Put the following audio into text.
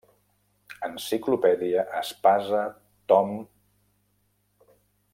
Enciclopèdia Espasa Tom.